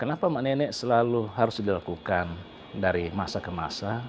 kenapa manenek selalu harus dilakukan dari masa ke masa